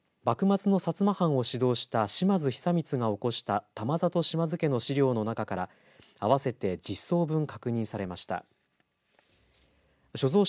幕末の薩摩藩を指導した島津久光が興した玉里島津家の資料の中から合わせで１０双分確認されました。